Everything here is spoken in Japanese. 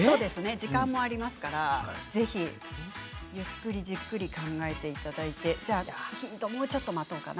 時間もありますからゆっくりじっくり考えていただいてヒントはもうちょっと待とうかな。